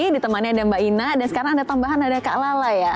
ditemani ada mbak ina dan sekarang ada tambahan ada kak lala ya